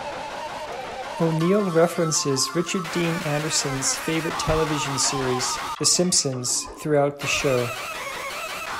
O'Neill references Richard Dean Anderson's favorite television series, "The Simpsons", throughout the show.